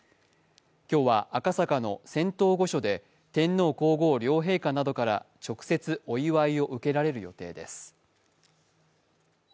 今日は、赤坂の仙洞御所で天皇皇后両陛下などから直接お祝いを受けられる予定です。